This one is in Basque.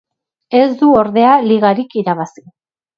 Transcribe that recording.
Ez du ordea ligarik irabazi.